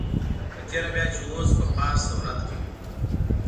په تېره بیا چې اوس په فارس دولت کې.